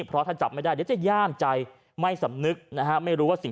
เพราะถ้าจับไม่ได้เดี๋ยวจะย่ามใจไม่สำนึกนะฮะไม่รู้ว่าสิ่ง